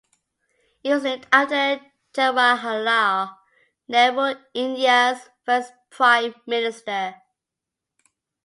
It was named after Jawaharlal Nehru, India's first Prime Minister.